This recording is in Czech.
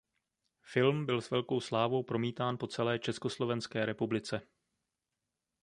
Film byl s velkou slávou promítán po celé Československé republice.